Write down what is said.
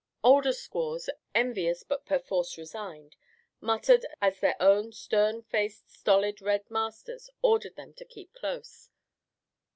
Older squaws, envious but perforce resigned, muttered as their own stern faced stolid red masters ordered them to keep close.